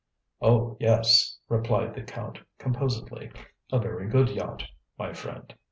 "Oh, yes," replied the Count, composedly; "a very good yacht, my friend.